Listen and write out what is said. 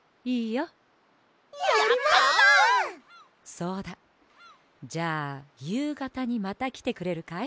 そうだじゃあゆうがたにまたきてくれるかい？